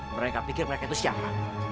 mereka pikir mereka itu siapa